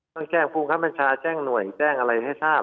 ต้องแจ้งภูมิคับบัญชาแจ้งหน่วยแจ้งอะไรให้ทราบ